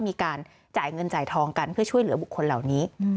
มีการจ่ายเงินจ่ายทองกันเพื่อช่วยเหลือบุคคลเหล่านี้